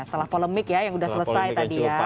setelah polemik yang sudah selesai tadi